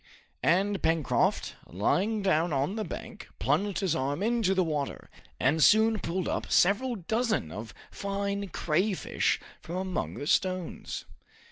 And Pencroft, lying down on the bank, plunged his arm into the water, and soon pulled up several dozen of fine crayfish from among the stones.